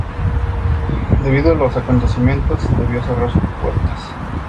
Debido a los acontecimientos debió cerrar sus puertas.